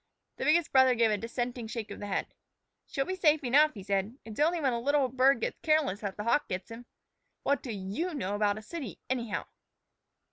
The biggest brother gave a dissenting shake of the head. "She'll be safe enough," he said. "It's only when a little bird gets careless that the hawk gets him. What do you know about a city, anyhow?"